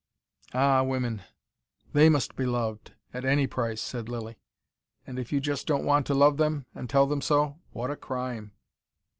"Ah, women THEY must be loved, at any price!" said Lilly. "And if you just don't want to love them and tell them so what a crime."